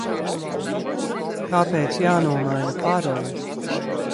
Kāpēc jānomaina parole?